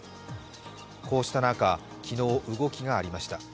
こうした中、昨日、動きがありました。